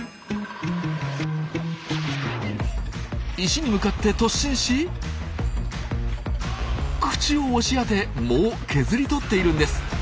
石に向かって突進し口を押し当て藻を削り取っているんです。